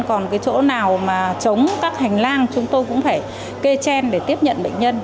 còn cái chỗ nào mà chống các hành lang chúng tôi cũng phải kê tren để tiếp nhận bệnh nhân